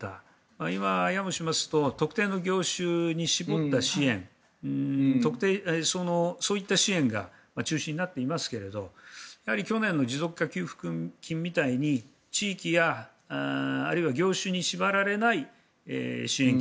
今、やもしますと特定の業種に絞った支援そういった支援が中心になっていますけどもやはり去年の持続化給付金みたいに地域やあるいは業種に縛られない支援金。